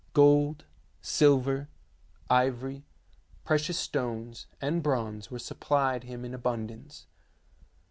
Gold, silver, ivory, precious stones, and bronze were supplied him in abundance.